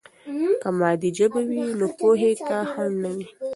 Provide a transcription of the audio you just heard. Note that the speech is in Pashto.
که مادي ژبه وي، نو پوهې ته خنډ نه وي.